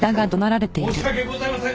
申し訳ございません！